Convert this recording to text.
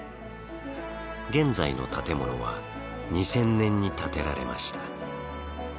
現在の建物は２０００年に建てられました。